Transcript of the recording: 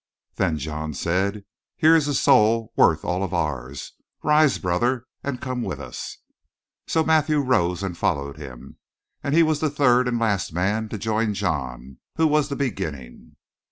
"Then John said: 'Here is a soul worth all of ours. Rise, brother, and come with us.' "So Matthew rose and followed him, and he was the third and last man to join John, who was the beginning.